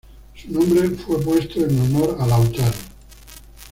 Su nombre fue puesto en honor a Lautaro.